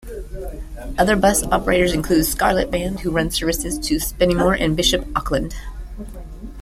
Other bus operators include Scarlett Band who run services to Spennymoor and Bishop Auckland.